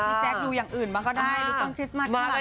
พี่แจ๊คดูอย่างอื่นมาก็ได้ต้นคริสต์มาที่หลังก็ได้